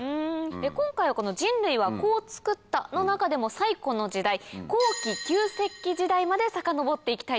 今回はこの「人類はこう作った」の中でも最古の時代後期旧石器時代までさかのぼって行きたいと思います。